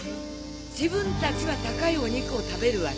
自分たちは高いお肉を食べるわけ？